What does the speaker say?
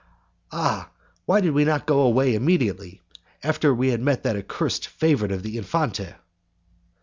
"Ah! why did we not go away immediately after we had met that accursed favourite of the Infante!"